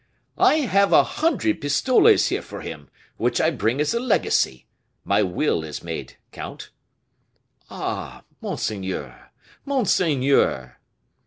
"I have a hundred pistoles here for him, which I bring as a legacy. My will is made, count." "Ah! monseigneur! monseigneur!"